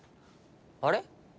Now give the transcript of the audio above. あれ？